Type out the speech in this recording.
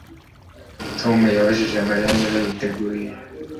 Tom yabajije Mariya niba yiteguye